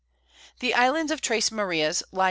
The Islands of Tres Marias lie N.